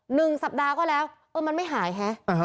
หนึ่งสัปดาห์ก็แล้วเออมันไม่หายฮะ